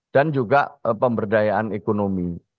juga pemberdayaan ekonomi